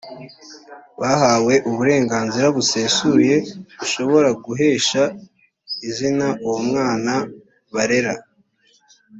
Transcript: bahawe uburenganzira busesuye bushobora guhesha izina uwo mwana barera